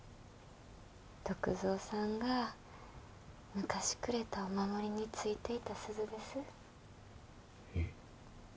篤蔵さんが昔くれたお守りについていた鈴ですえッ？